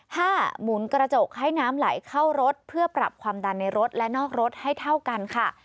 หมุนกระจกให้น้ำไหลเข้ารถเพื่อปรับความดันในรถและนอกรถให้เท่ากันค่ะ